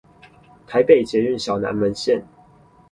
臺北捷運小南門線